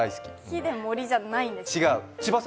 木で森じゃないんですね。